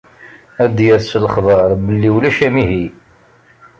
Ad d-yerr s lexber belli ulac amihi.